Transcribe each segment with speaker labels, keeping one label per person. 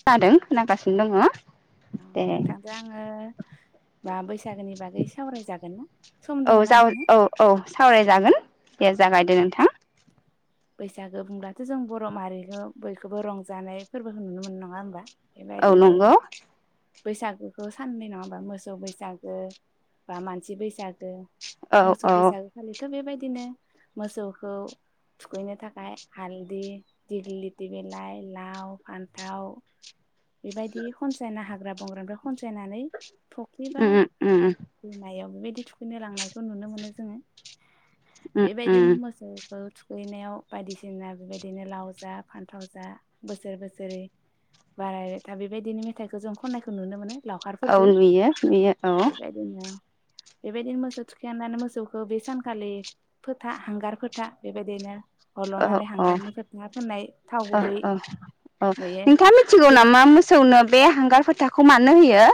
Speaker 1: जादों खोनागासिनो दङ। दे
Speaker 2: नोंथांजों आङो बा बैसागोनि बागै सावरायजागोन ना सम
Speaker 1: औ
Speaker 2: दङ ना
Speaker 1: जाव
Speaker 2: नोंथाङा
Speaker 1: औ औ सावरायजागोन दे जागायदो नोंथां
Speaker 2: बैसागो बुंब्लाथ' जों बर' माहारिखौ बयखौबो रंजानाय फोरबोखौ नुनो मोनो नङा होनबा
Speaker 1: औ नंगौ
Speaker 2: बैसागोखौ साननै नङा होमबा मोसौ बैसागो बा मानसि बैसागो
Speaker 1: औ
Speaker 2: मोसौ
Speaker 1: औ
Speaker 2: फैसागो खालि थ' बेबायदिनो मोसौखौ थुखैनो थाखाय हालदि दिगलिथि बिलाइ लाव फान्थाव बेबायदि खनसायना हाग्रा बंग्रानिफ्राय खनसायनानै फख्रिबा
Speaker 1: उम उम
Speaker 2: दैमायाव बेबायदि थुखैनो लांनायखौ नुनो मोनो जोङो
Speaker 1: उम उम
Speaker 2: बेबायदिनो मोसौ खौ थुखैनायाव बायदिसिना बेबायदिनो लाव जा फान्थाव जा बोसोर बोसोरै बाराय था बेबायदिनो मेथाइखौ जों खन्नायखौ नुनो मोनो
Speaker 1: औ
Speaker 2: लावखारफोरखौ
Speaker 1: नुयो नुयो औ
Speaker 2: बेबायदिनो बेबायदिनो मोसौ थुखायनानै मोसौखौ बे सानखालि फोथा हांगार फोथा बेबायदिनो
Speaker 1: औ
Speaker 2: हरल'नानै
Speaker 1: औ
Speaker 2: हांग्रारनि फोथा फोननाय थाव
Speaker 1: औ
Speaker 2: गुबै नुयो
Speaker 1: मा मोसौनो बे हांगार फोथाखौ मानो होयो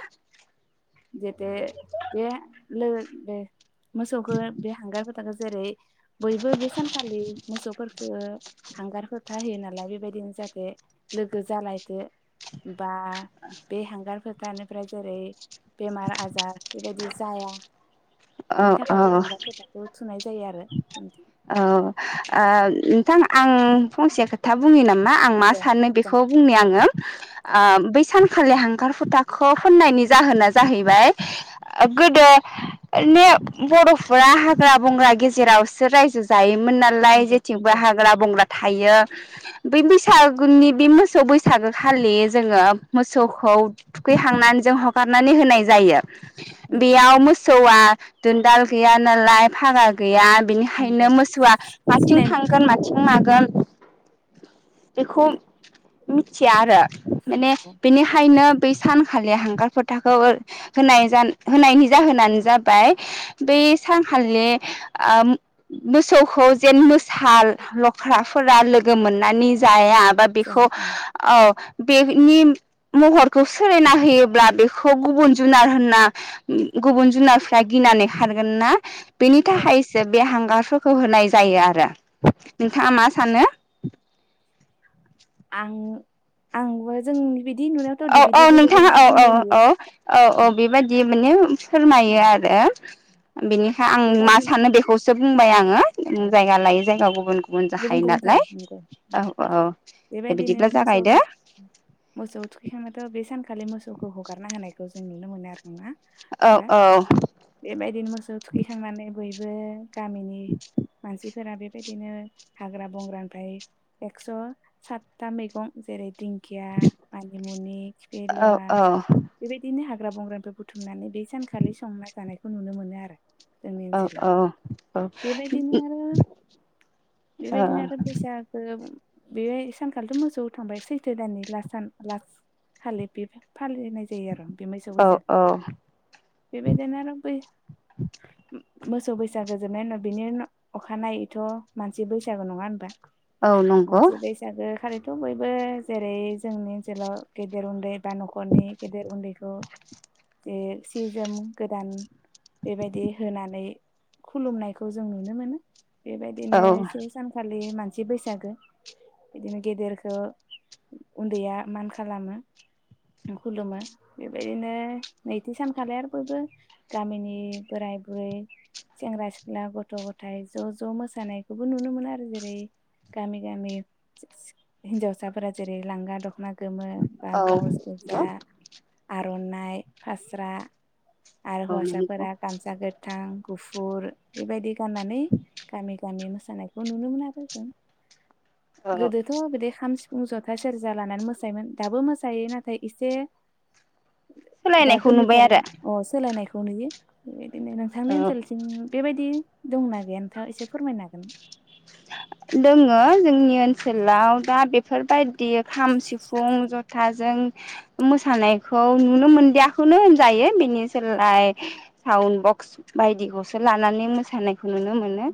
Speaker 2: [unintelligible] दे मोसौखौ बे हांगारफोथाखो जेरै बयबो बे सानखालि मोसौफोरखो हांगार फोथा होयो नालाय बेबायदिनो जाहाथे लोगो जालायथो बा बे हांगार फोथानिफ्राय जेरै बेमार आजार बेबायदि जाया बेनि थाखाय बे हांगा फोथाखौ थुनाय जायो आरो नोंथां
Speaker 1: अ आ नोंथां आं फंसेया खोथा बुंनि नामा आं मा
Speaker 2: दे
Speaker 1: सानो
Speaker 2: मोजां
Speaker 1: बेखौ बुंनि आङो ओ बै सान खालि हांगार फोथाखौ फोननायनि जाहोना जाहैबाय गोदो जेरावसो रायजो जायो मोन नालाय
Speaker 2: दे नंगौ
Speaker 1: जेथिंबो
Speaker 2: नंगौ
Speaker 1: हाग्रा बंग्रा थायो बै बैसागोनि बे मोसौ बैसागो खालि जोङो मोसौखौ थुखैहांनानै जों हगारनानै होनाय जायो
Speaker 2: नंगौ
Speaker 1: बेयाव मोसौ सौआ दुनन्दाल गैया नालाय फागा गैया बिनिखायनो
Speaker 2: नंगौ
Speaker 1: मोसौआ माथिं
Speaker 2: सिनाय मोननाय
Speaker 1: थांगोन माथिं मागोन बेखौ मिथिया आरो माने बिनिखायनो बै सानखालि हांगार फोथाखौ होनाय होनायनि जाहोनानो जाबाय बै सानखालि ओ मोसौखौ जेन मोसा लख्राफोरा लोगो मोननानै जाया। बा
Speaker 2: औ
Speaker 1: बिखौ ओ बेनि महरखौ सोलायना होयोब्ला बेखौ गुबुन जुनार होनना गुबुन जुनारफ्रा गिनानै खारगोन ना। बेनि
Speaker 2: औ
Speaker 1: थाखाय बे हांगारफोरखौ होनाय जायो आरो। नोंथाङा
Speaker 2: औ
Speaker 1: मा सानो?
Speaker 2: आं आंबो जोंनि बिदि
Speaker 1: औ
Speaker 2: नुनायावथ'
Speaker 1: औ
Speaker 2: बिदि गोदो
Speaker 1: नोंथाङा औ औ
Speaker 2: बुंनाय नुयो
Speaker 1: औ औ औ
Speaker 2: ओं
Speaker 1: बेबायदि माने
Speaker 2: औ
Speaker 1: फोरमायो आरो बिनिखाय आं मा
Speaker 2: बेबायदिनो
Speaker 1: सानो बेखौसो बुंबाय आङो।
Speaker 2: औ
Speaker 1: जायगा लायो जायगा गुबुन
Speaker 2: गुबुन
Speaker 1: जाखायो
Speaker 2: गुबुन थाव
Speaker 1: नालाय
Speaker 2: नंगौ
Speaker 1: औ औ दे
Speaker 2: बेबायदिनो
Speaker 1: बिदिब्ला
Speaker 2: मोसौ
Speaker 1: जागायदो
Speaker 2: मोसौ थुखै बिखायनोथ' बे सानखालि मोसौखौ हगारना होनायखौ जों नुनो मोनो आरो। नङा
Speaker 1: औ
Speaker 2: बा
Speaker 1: औ
Speaker 2: बेबायदिनो मोसौ थुखैखांनानै बयबो गामिनि मानसि फोरा बेबायदिनो हाग्रा बंग्रानिफ्राय एक्स' सातथा मैगं जेरै दिंखिया मानिमुनि खिफि
Speaker 1: औ
Speaker 2: लेवा
Speaker 1: औ
Speaker 2: बेबायदिनो हाग्रा ग्रा बंग्रानिफ्राय बुथुमनानै बे सानखालि संना जानाय खौ नुनो मोनो आरो जोंनि
Speaker 1: अ
Speaker 2: ओनसोलाव
Speaker 1: अ
Speaker 2: बेबायदिनो आरो
Speaker 1: औ
Speaker 2: बेबायदिनो आरो बैसागो बे सानखालिथ' मोसौ थांबाय सैथो दाननि ला सान लास खालि बे फालिनाय जायो आरो बे मोसौ
Speaker 1: औ
Speaker 2: बैसो
Speaker 1: औ
Speaker 2: बेबायदिनो आरो बै मोसौ बैसागो‌ जोबनायनि उनाव बिनि अखानायैथ' मान सि बैसागो नङा होनबा
Speaker 1: औ नंगौ
Speaker 2: थ' बयबो जेरै जोंनि ओनसोलाव गेदेर उन्दै बा न'खरनि गेदेर उन्दैखौ जे सि जोम गोदान बेबायदि होनानै खुलुमनायखौ जों नुनो मोनो
Speaker 1: औ
Speaker 2: बेबायदिनो सानखालि मा सि बैसागो बिदिनो गेदेरखौ उन्दैया मान खालामो खुलुमो बेबायदिनो नैथि सान खालाय आरो बयबो गामिनि बोराय बुरै सेंग्रा सिख्ला गथ' गथाय ज' ज' मोसानाय खौबो नुनो मोनो आरो जेरै गामि गामि हिनजावसाफोरा जेरै लांगा दख'ना गोमो बा
Speaker 1: औ
Speaker 2: ब्लाउस गोजा
Speaker 1: औ
Speaker 2: आरो आर'नाइ फास्रा आरो
Speaker 1: नंगौ
Speaker 2: हौवासाफोरा गामसा गोथां गुफुर बेबायदि गाननानै गामि गामि मोसानायखौ नुनो मोनो आरो जों
Speaker 1: औ
Speaker 2: गोदोथ' बिदि‌ खाम सि फुं ज'था सेरजा लानानै मोसायोमोन दाबो मोसायो नाथाय एसे दा
Speaker 1: सोलायनायखौ नुबाय आरो
Speaker 2: गोलनिथारनो अ सोलायनायखौ खौ नुयो दिनै नोंथांनि
Speaker 1: औ
Speaker 2: ओनसोलसिम बेबायदि दंना गैया नोंथां एसे फोरमायनो हागोन
Speaker 1: दोङो जोंनि ओनसोलाव दा बेफोरबायदि खाम सिफुं जथाजों मोसानायखौ नुनो मोनदियाखौनो होनजायो बेनि सोलाय साउन्ड बक्स बायदिखौसो लानानै मोसानाय खौ नुनो मोनो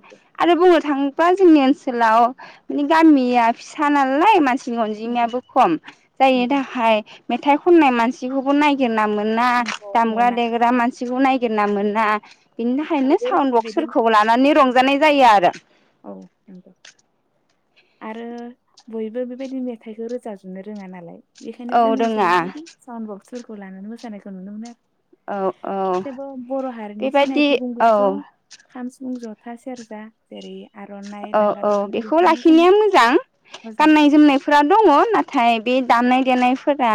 Speaker 1: आरो बुंनो थां बा जोंनि ओनसोलाव माने गामिया फिसा नालाय मानसि नि
Speaker 2: नंगौ नंगौ
Speaker 1: अनजिमायाबो खम जायनि
Speaker 2: नंगौ
Speaker 1: थाखाय मेथाइ खननाय मानसिखौबो नायगिरना मोन ना
Speaker 2: नंगौ
Speaker 1: दामग्रा
Speaker 2: मोना
Speaker 1: देग्रा मानसिखौ नाय गिरना मोना बिनि थाखायनो
Speaker 2: बयबो
Speaker 1: साउन्द
Speaker 2: रोङा बिदिनो
Speaker 1: बक्सफोरखौ लानानै रं जानाय जायो आरो
Speaker 2: औ नंगौ आरो बयबो बेबायदि मेथाइखौ रोजाबजोबनो रोङा नालाय बेखायनो
Speaker 1: औ
Speaker 2: जोंनि
Speaker 1: रोङा
Speaker 2: ओनसोलाव बेदि सानउ बक्स फोरखौ लानानै मोसानायखौ नुनो मोनो
Speaker 1: औ औ
Speaker 2: थेवबो बर' हारिनि
Speaker 1: बेबायदि
Speaker 2: सिनायथि
Speaker 1: औ
Speaker 2: बुंब्लाथ' खाम सिफुं ज था सेरजा जेरै आर'नाइ
Speaker 1: औ
Speaker 2: लांगा
Speaker 1: औ
Speaker 2: दख'ना
Speaker 1: बेखौ
Speaker 2: बेखौनो जों
Speaker 1: लाखिनाया मोजां
Speaker 2: मोजां
Speaker 1: गाननाय जोमनायफोरा दङ नाथाय बे दामनाय देनायफोरा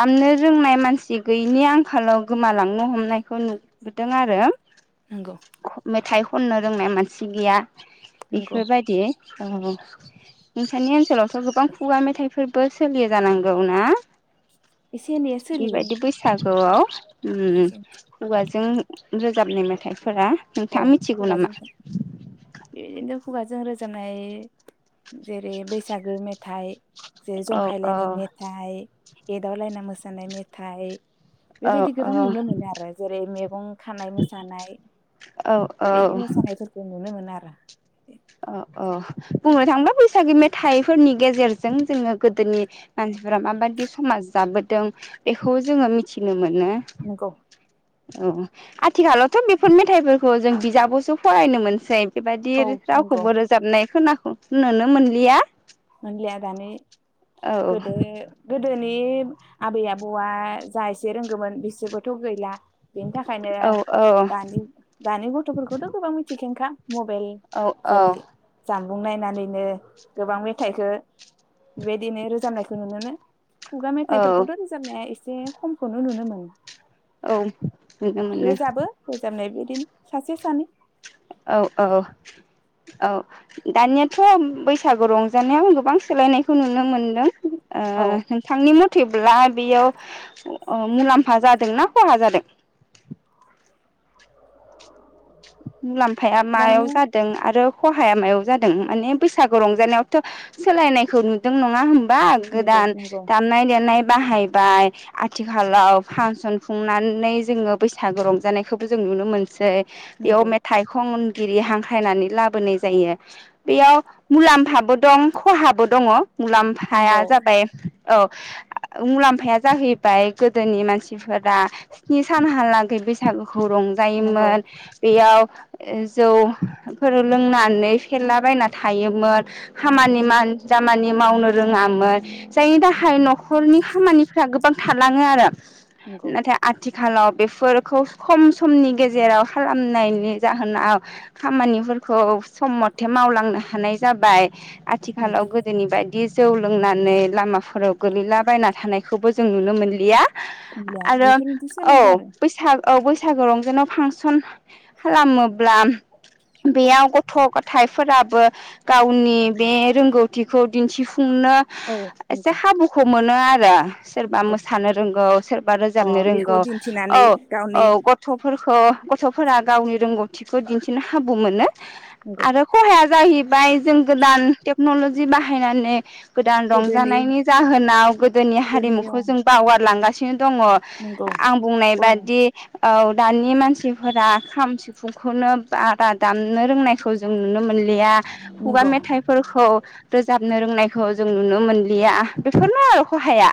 Speaker 1: दामनो रोंनाय मानसि गैयिनि आंखालाव गोमालांनो हमनायखौ नुबोदों आरो
Speaker 2: नंगौ
Speaker 1: मेथाइ खननो रोंनाय मान सि गैया
Speaker 2: नंगौ
Speaker 1: इफोरबायदि औ नोंसानि ओनसोलावथ' गोबां खुगा मेथाइफोरबो सोलियो जानांगौ ना
Speaker 2: एसे एनैया सोलियो
Speaker 1: आव उ
Speaker 2: एसे
Speaker 1: खुगा जों रोजाबनाय मेथाइ फोरा
Speaker 2: औ
Speaker 1: नोंथाङा मिथिगौ
Speaker 2: खुगाजों
Speaker 1: नामा
Speaker 2: बेबायदिनो खुगाजों रोजाबनाय जेरै बैसागु मेथाइ जेरै
Speaker 1: औ औ
Speaker 2: जंखायलायनाय मेथाइ एदावलायना मो सानाय मेथाइ
Speaker 1: औ
Speaker 2: बेबायदि गोबां
Speaker 1: औ
Speaker 2: नुनो मोनो आरो जेरै मैगं खानाय मोसानाय
Speaker 1: औ औ
Speaker 2: नो मोनो आरो
Speaker 1: अ अ बुंनो थाङोबा बैसागु मेथाइफोरनि गेजेरजों जोङो गोदोनि मानसिफोरा माबादि समाज जाबोदों बेखौ जोङो मिथिनो मो नो
Speaker 2: नंगौ
Speaker 1: औ आथिखालावथ' बेफोर मेथाइफोरखौ जों बिजाबावसो फरायनो मोनसै बेबायदि
Speaker 2: औ नंगौ
Speaker 1: रावखौबो रोजाबनाय खोना नो मोनलिया
Speaker 2: मोनलिया दानि
Speaker 1: औ
Speaker 2: गोदो गोदो नि आबै आबौआ जा एसे रोंगौमोन बिसोरबोथ' गैला बेनि थाखायनो
Speaker 1: औ
Speaker 2: दानि दानि गथ'फोरखौथ' गोबां मिथिखायो खा मबाइल
Speaker 1: औ
Speaker 2: जेरै जाम बुं नायनानैनो गोबां बे मेथाइखो बेबायदिनो रोजाबनायखौ नुनो मोनो खुगा
Speaker 1: औ
Speaker 2: मेथाइफोरखौथ' रोजाबनाया एसे एसे खमखौनो नुनो मोनो
Speaker 1: औ नुनो मोनो
Speaker 2: रोजाबो रोजाबनाय सासे सानै
Speaker 1: औ औ औ दानियाथ' बैसागु रंजानायाव गोबां सोलायनायखौ नुनो मोनदों। ओ
Speaker 2: औ
Speaker 1: नोंथांनि मथे बेयाव मुलाम्फा ओ जादोंना खहा जादों? [unintelligible] मुलाम्फाया मायाव
Speaker 2: थारमाने
Speaker 1: जादों आरो खहाया मायाव जादों माने बैसागु रंजानायावथ' सोलायनायखौ नुदों नङा होन बा
Speaker 2: नंगौ
Speaker 1: गोदान
Speaker 2: नंगौ
Speaker 1: दामनाय-देनाय बाहायबाय आथिखालाव फांसन खुंनानै जोङो बैसागो रंजानायखौबो जों नुनो मोनसै। बेयाव
Speaker 2: नंगौ
Speaker 1: मेथाइ खन गिरि हांख्रायनानै लाबोनाय जायो बेयाव मुलाम्फाबो दं खहाबो दङ। मुलाम्फाया
Speaker 2: नंगौ
Speaker 1: जाबाय औ मुलाम्फाया जाहैबाय गोदोनि मानसिफोरा स्नि सानहालागै बैसागु खौ
Speaker 2: नंगौ
Speaker 1: रंजायोमोन बेयाव जौफोर लोंनानै फेरलाबायना थायोमोन। हामानि
Speaker 2: नंगौ
Speaker 1: मान जा खामानि मावनो रोङामोन। जायनि थाखाय न'खरनि खामानिफ्रा गोब गोबां थालाङो आरो
Speaker 2: नंगौ
Speaker 1: नाथाय आथि आथिखालाव बेफोरखौ खम समनि गेजेराव खालामनायनि जाहोनाव खामानिफोरखौ सम मथे मावलांनो हानाय जाबाय।
Speaker 2: नंगौ
Speaker 1: आथिखालाव गोदोनि बायदि बिदि जौ लोंनानै लामाफोराव गोलैलाबायना थानायखौबो जों नुनो मोनलिया।
Speaker 2: नंलिया
Speaker 1: आरो
Speaker 2: बेफोरबायदि
Speaker 1: औ
Speaker 2: सोलायदो आरो
Speaker 1: बैसाग औ बैसागो रंजानायाव फांसन खालामोब्ला बेयाव गथ' गथाइफोराबो गावनि बे रोंगौथिखौ दिन्थिफु फुंनो
Speaker 2: औ नंगौ
Speaker 1: एसे खाबुखौ मोनो आरो सोरबा
Speaker 2: नंगौ
Speaker 1: मोसानो रोंगौ सोरबा
Speaker 2: अ
Speaker 1: रोजाबनो
Speaker 2: बेखौ
Speaker 1: रोंगौ औ
Speaker 2: दिन्थिनानै
Speaker 1: औ
Speaker 2: गावनि
Speaker 1: गथ'फोरखौ गथ' गावनि रों रोंगौथिखौ दिन्थिनो खाबु मोनो।
Speaker 2: नंगौ
Speaker 1: आरो खहाया जाहैबाय बाय जों गोदान टेक्न'लजि बाहायनानै गोदान
Speaker 2: गोदोनि
Speaker 1: रंजानायनि जाहोनाव गोदोनि हारिमुखौ जों बावगारलांगासिनो दङ
Speaker 2: नंगौ
Speaker 1: आं बुंनाय
Speaker 2: बर'
Speaker 1: बादि औ दानि मानसि फोरा खाम सिफुंखौनो बारा दामनो रोंनायखौ जों नुनो मोनलिया। खुगा
Speaker 2: नंगौ
Speaker 1: मेथाइफोरखौ रोजाबनो रोंनायखौ जों नुनो मोनलिया बेफोरनो आरो खहाया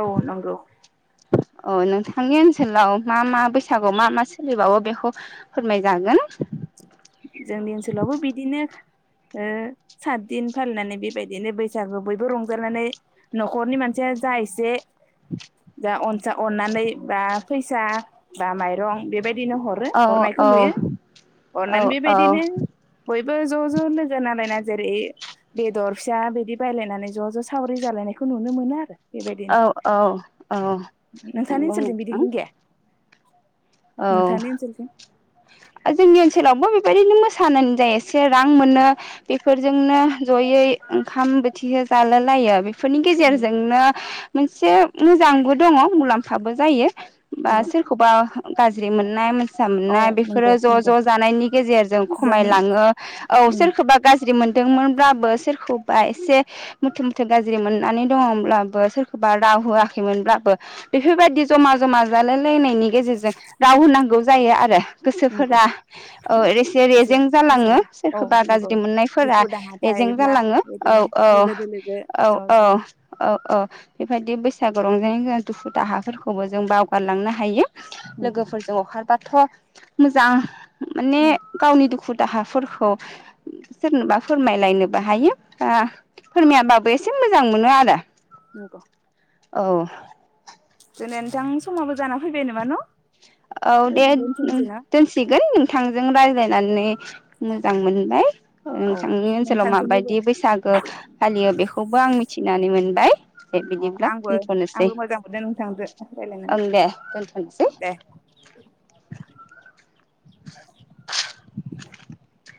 Speaker 2: औ नंगौ
Speaker 1: अ नोंथांनि ओनसोलाव मा मा बैसागुआव मा मा सोलिबावो? बेखौ फोरमायजागोन।
Speaker 2: जोंनि ओनसोलावबो बिदिनो ओ सात दिन फालिनानै बेबायदिनो बैसागु बयबो रंजानानै न'खरनि मानसिया जा एसे दा अनसा अननानै बा फैसा बा माइरं बे बेबायदिनो हरो
Speaker 1: औ
Speaker 2: हरनायखौ
Speaker 1: औ
Speaker 2: नुयो।
Speaker 1: औ
Speaker 2: अननानै बेबायदिनो बयबो ज' ज' लोगो ला मालायना जेरै बेदर फिसा बिदि बायलायनानै ज' ज' सावरि जालायनायखौ नुनो मोनो आरो। बेबायदिनो
Speaker 1: औ औ औ
Speaker 2: नोंथांनि ओनसोलथिं बिदि
Speaker 1: बुं।
Speaker 2: गैया नोंथांनि ओनसोल
Speaker 1: जोंनि ओनसोलावबो बेबायदिनो मोसानानै जायो एसे रां मोनो बेफोरजोंनो जयै ओंखाम बोथि जाला लायो। फोरनि गेजेरजोंनो मोनसे मोजांबो दङ मुलाम्फाबो जायो। बा
Speaker 2: नंगौ
Speaker 1: सोरखौबा। गाज्रि मोननाय
Speaker 2: औ
Speaker 1: [unintelligible] बेफोरो
Speaker 2: नंगौ
Speaker 1: ज'
Speaker 2: नंगौ
Speaker 1: ज' जानायनि गेजेरजों
Speaker 2: जों
Speaker 1: खमायलाङो औ
Speaker 2: उम
Speaker 1: सोरखौबा गाज्रि मोन मोनब्लाबो सोरखौबा एसे मुथ मुथे गाज्रि मोननानै दङब्लाबो सोरखौबा राव होआखैमोनब्लाबो बेफोरबायदि जमा जमा जानाय-लोंनाय नि गेजेरजों राव होनांगौ। जायो आरो
Speaker 2: नंगौ
Speaker 1: गोसोफोरा ओ एसे रेजें जालाङो
Speaker 2: खायसेनो औ
Speaker 1: सोरखौबा
Speaker 2: नंगौ
Speaker 1: गाज्रि मोननायफोरा
Speaker 2: दुखु दाहा
Speaker 1: रेजें
Speaker 2: थायोब्ला
Speaker 1: जालाङो औ
Speaker 2: बिदिनो
Speaker 1: औ
Speaker 2: लोगो दोलोगो
Speaker 1: औ
Speaker 2: ज'
Speaker 1: औ औ औ। बेबायदि बैसागु रंजानायनि गेजेरजोंबो जों दुखु दाहाफोरखौबो जों बावगारलांनो हायो।
Speaker 2: नंगौ
Speaker 1: लोगोफोरजों अखा बाथ' मोजां माने
Speaker 2: उम
Speaker 1: गावनि दुखु दाहाफोरखौ सोरनोबा फोरमायलायनोबो हायो ओ फोरमायाबाबो एसे मोजां मोनो आरो।
Speaker 2: नंगौ।
Speaker 1: औ।
Speaker 2: दिनै नोंथां समाबो जाना फैबाय नोमा न'।
Speaker 1: औ दे
Speaker 2: दोनथ'नोसै ना
Speaker 1: दोनसिगोन नों थांजों रायज्लायनानै मोजां मोनबाय
Speaker 2: औ
Speaker 1: नोंथांनि ओनसोलाव
Speaker 2: नोंथांजोंबो
Speaker 1: माबायदि बैसागो फालियो बेखौबो आं मिथिनानै मोनबाय दे
Speaker 2: अ
Speaker 1: बिदिब्ला
Speaker 2: आंबो
Speaker 1: दोनथ'नोसै
Speaker 2: आंबो मोजां मोनदों नोंथांदो
Speaker 1: ओं दे दोनथ'नोसै
Speaker 2: रायलायनानै दे
Speaker 1: [inaudible]